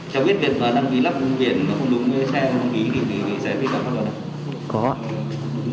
cháu biết việc đăng ký lắp vùng biển nó không đúng với xe vùng bí thì xe vi phạm có được không